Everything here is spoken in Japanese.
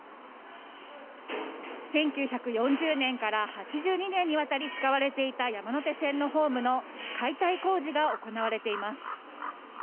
１９４０年から８２年にわたり使われていた山手線のホームの解体工事が行われています。